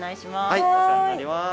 はいお世話になります。